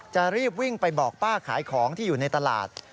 จะรีบวิ่งไปบอกป้าขายของที่อยู่ในตลาด